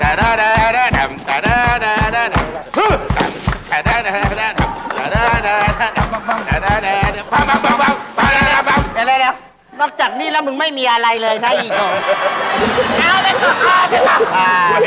โหมันเป็นหลายอย่างนะ